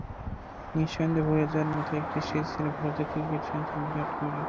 নিঃসন্দেহে ভুলে যাওয়ার মতোই একটা সিরিজ গেল ভারতীয় ক্রিকেট সেনসেশন বিরাট কোহলির।